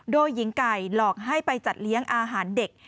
โดยหญิงไก่หลอกให้ไปจัดเลี้ยงอาหารเด็ก